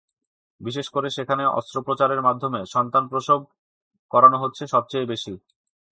বিশেষ করে সেখানে অস্ত্রোপচারের মাধ্যমে সন্তান প্রসব করানো হচ্ছে সবচেয়ে বেশি।